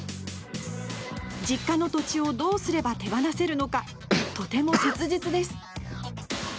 実家の土地を、どうすれば手放せるのか、とても切実です。